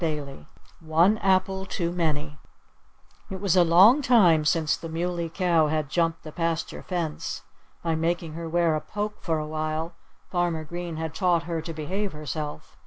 XVIII ONE APPLE TOO MANY It was a long time since the Muley Cow had jumped the pasture fence. By making her wear a poke for a while Farmer Green had taught her to behave herself.